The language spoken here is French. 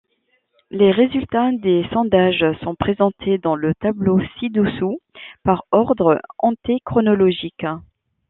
Les résultats des sondages sont présentés dans le tableau ci-dessous par ordre antéchronologique.